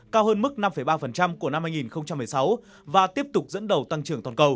cao hơn mức năm ba của năm hai nghìn một mươi sáu và tiếp tục dẫn đầu tăng trưởng toàn cầu